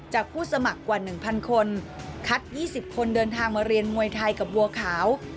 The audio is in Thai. ผู้สมัครกว่า๑๐๐คนคัด๒๐คนเดินทางมาเรียนมวยไทยกับบัวขาว